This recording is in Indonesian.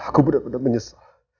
aku bener bener menyesal